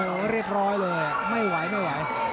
โอ้โฮเรียบร้อยเลยไม่ไหว